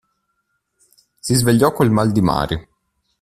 Si svegliò col mal di mare.